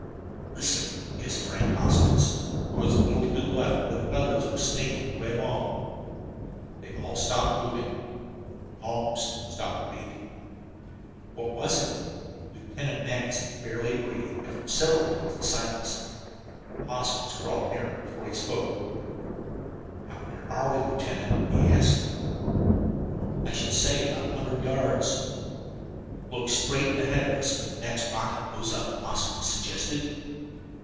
"Listen!" hissed Frank Hoskins, who was a little to the left of where the others were snaking their way along. They all stopped moving, almost stopped breathing. "What was it?" Lieutenant Mackinson barely breathed, after several minutes of silence. Hoskins crawled nearer before he spoke. "How near are we, Lieutenant?" he asked: "I should say about a hundred yards." "Look straight ahead of us when the next rocket goes up," Hoskins suggested.